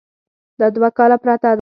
دا دوه کاله پرته ده.